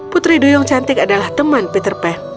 putri duyung cantik adalah teman peter pan